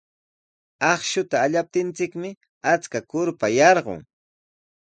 Akshuta allaptinchikmi achka kurpa yarqun.